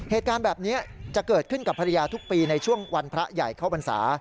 เหตุการณ์แบบนี้จะเกิดขึ้นกับภรรยาทุกปีในช่วงวันพระใหญ่เข้าบรรษา